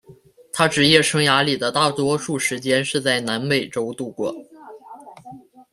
他职业生涯里大多数时间是在南美洲度过。